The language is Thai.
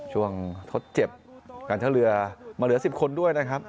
ช่วงทดเจ็บกันทะเลือบมาเหลือสิบคนด้วยนะครับ